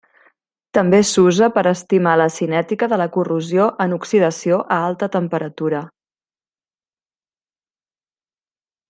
També s'usa per estimar la cinètica de la corrosió en oxidació a alta temperatura.